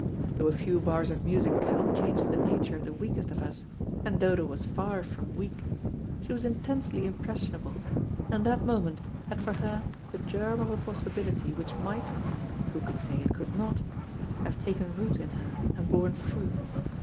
Though a few bars of music cannot change the nature of the weakest of us, and Dodo was far from weak, she was intensely impressionable, and that moment had for her the germ of a possibility which might who could say it could not? have taken root in her and borne fruit.